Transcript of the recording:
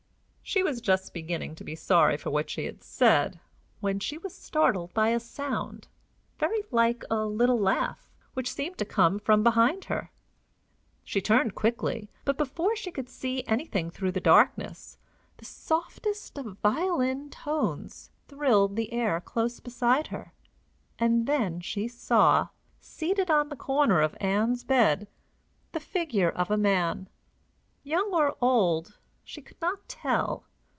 She was just beginning to be sorry for what she had said when she was startled by a sound, very like a little laugh, which seemed to come from behind her. She turned quickly, but, before she could see anything through the darkness, the softest of violin tones thrilled the air close beside her, and then she saw, seated on the corner of Ann's bed, the figure of a man young or old, she could not tell.